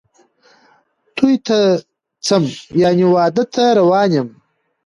توی ته څم ،یعنی واده ته روان یم